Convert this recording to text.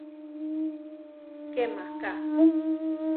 ¡Kemaká!